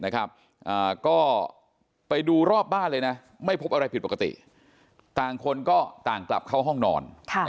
ก็ไปดูรอบบ้านเลยนะไม่พบอะไรผิดปกติต่างคนก็ต่างกลับเข้าห้องนอน